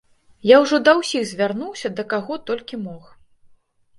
Я ўжо да ўсіх звярнуўся, да каго толькі мог.